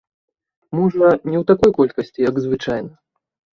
Можа, не ў такой колькасці, як звычайна.